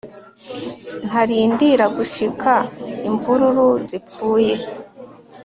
ntarindira gushika imvururu zipfuye